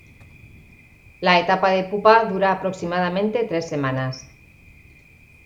La etapa de pupa dura aproximadamente tres semanas.